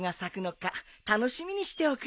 楽しみにしておくれよ。